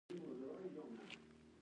دوی کولای شي په عام قانون بدل شي.